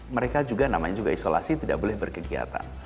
mereka juga namanya juga isolasi tidak boleh berkegiatan